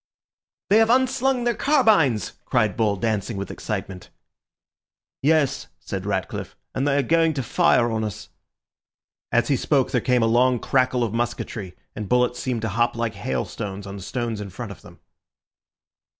"They have unslung their carbines," cried Bull dancing with excitement. "Yes," said Ratcliffe, "and they are going to fire on us." As he spoke there came a long crackle of musketry, and bullets seemed to hop like hailstones on the stones in front of them.